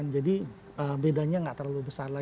jadi bedanya nggak terlalu besar lagi